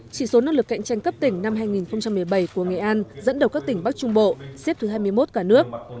chỉ số năng lực cạnh tranh cấp tỉnh năm hai nghìn một mươi bảy của nghệ an dẫn đầu các tỉnh bắc trung bộ xếp thứ hai mươi một cả nước